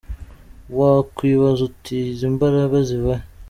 Wakwibaza uti: ‘Izi mbaraga ziva he’? .